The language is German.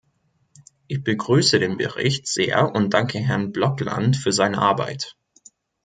Ich begrüße den Bericht sehr und danke Herrn Blokland für seine Arbeit.